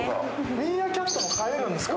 ミーアキャットも飼えるんですか。